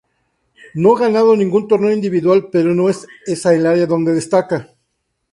No ganado ningún torneo individual pero no es esa el área donde destaca.